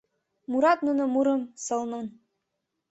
Мурат нуно мурым сылнын